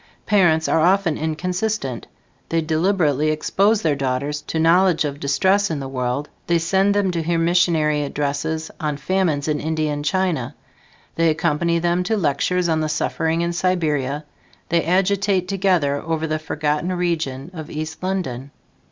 Parents are often inconsistent: they deliberately expose their daughters to knowledge of the distress in the world; they send them to hear missionary addresses on famines in India and China; they accompany them to lectures on the suffering in Siberia; they agitate together over the forgotten region of East London.